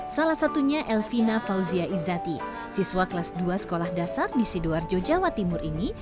salah satunya elvina fauzia izati siswa kelas dua sekolah dasar di sidoarjo jawa timur ini